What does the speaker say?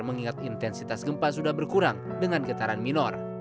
mengingat intensitas gempa sudah berkurang dengan getaran minor